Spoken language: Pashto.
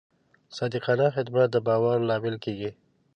صادقانه خدمت د باور لامل کېږي.